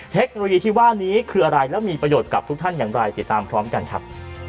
เทคโนโลยีที่ว่านี้คืออะไรแล้วมีประโยชน์กับทุกท่านอย่างไรติดตามพร้อมกันครับ